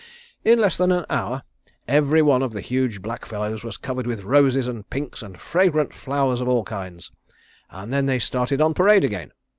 In less than an hour every one of the huge black fellows was covered with roses and pinks and fragrant flowers of all kinds, and then they started on parade again.